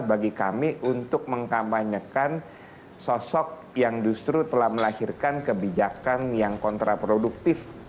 bagi kami untuk mengkampanyekan sosok yang justru telah melahirkan kebijakan yang kontraproduktif